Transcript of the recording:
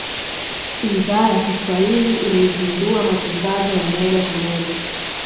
Idhaa ya Kiswahili ilizindua matangazo ya moja kwa moja